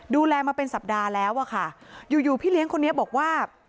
ดูแลมาเป็นสัปดาห์แล้วอะค่ะอยู่อยู่พี่เลี้ยงคนนี้บอกว่า